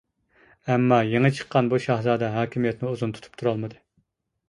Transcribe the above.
ئەمما يېڭىپ چىققان بۇ شاھزادە ھاكىمىيەتنى ئۇزاق تۇتۇپ تۇرالمىدى.